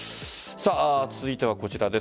続いてはこちらです。